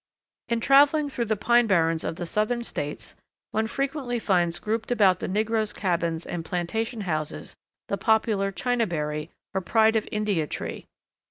In travelling through the pine barrens of the Southern States one frequently finds grouped about the negroes' cabins and plantation houses the popular chinaberry, or Pride of India tree.